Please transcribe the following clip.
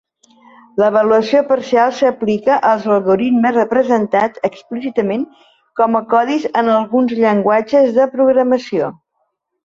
L'avaluació parcial s'aplica als algoritmes representats explícitament com a codis en alguns llenguatges de programació.